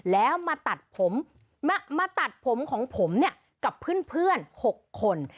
แล้วมาตัดผมมาตัดผมของผมเนี่ยกับเพื่อน๖คน